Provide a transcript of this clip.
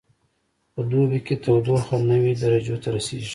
په دوبي کې تودوخه نوي درجو ته رسیږي